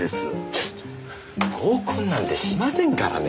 ちょっと合コンなんてしませんからね。